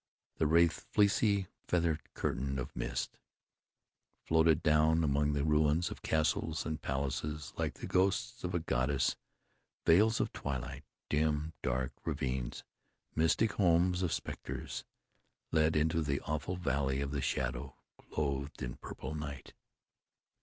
The Wraith, fleecy, feathered curtain of mist, floated down among the ruins of castles and palaces, like the ghost of a goddess. Vales of Twilight, dim, dark ravines, mystic homes of specters, led into the awful Valley of the Shadow, clothed in purple night.